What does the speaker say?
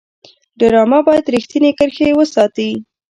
ډرامه باید رښتینې کرښې وساتي